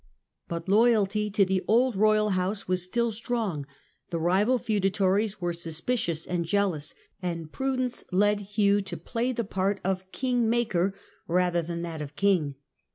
But loyalty to the old royal house was still strong, the rival feudatories were suspicious and jealous, and prudence led Hugh to play the part of king maker rather than that of king.